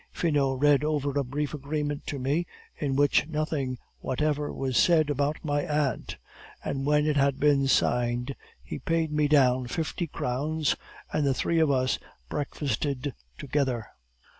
"Finot read over a brief agreement to me, in which nothing whatever was said about my aunt, and when it had been signed he paid me down fifty crowns, and the three of us breakfasted together.